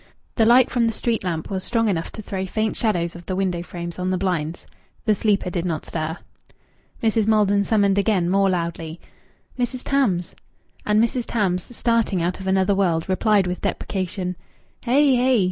The light from the street lamp was strong enough to throw faint shadows of the window frames on the blinds. The sleeper did not stir. Mrs. Maldon summoned again, more loudly "Mrs. Tams!" And Mrs. Tams, starting out of another world, replied with deprecation "Hey, hey!"